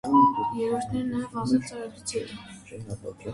Երրորդն էր նաև ազատ ծրագրից հետո։